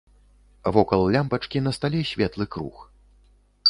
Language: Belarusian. Вокал лямпачкі на стале светлы круг.